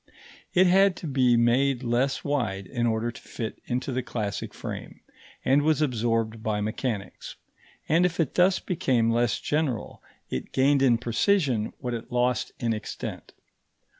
It had to be made less wide in order to fit into the classic frame, and was absorbed by mechanics; and if it thus became less general, it gained in precision what it lost in extent.